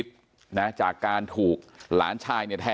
เป็นมีดปลายแหลมยาวประมาณ๑ฟุตนะฮะที่ใช้ก่อเหตุ